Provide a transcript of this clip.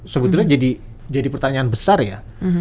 sebetulnya jadi pertanyaan besar ya